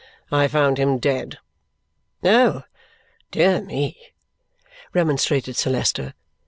"I found him dead." "Oh, dear me!" remonstrated Sir Leicester.